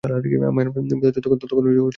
মায়ার ভেতর যতক্ষণ, ততক্ষণ দ্বৈত থাকবেই।